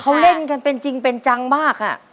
เขาเล่นกันเป็นจริงเป็นจังมาก